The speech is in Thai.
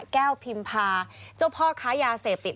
พิมพาเจ้าพ่อค้ายาเสพติด